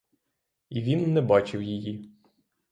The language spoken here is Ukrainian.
І він не бачив її.